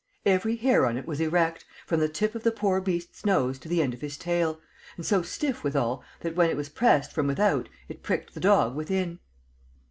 Every hair on it was erect, from the tip of the poor beast's nose to the end of his tail, and so stiff withal that when it was pressed from without it pricked the dog within.